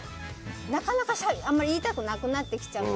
なかなかあまり言いたくなくなってきちゃう。